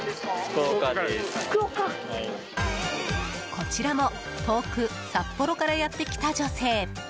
こちらも遠く札幌からやってきた女性。